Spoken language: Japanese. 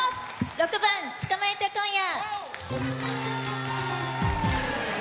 ６番「捕まえて、今夜。」。